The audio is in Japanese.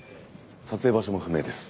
撮影場所も不明です。